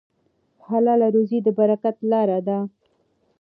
حلاله روزي د برکت لاره ده.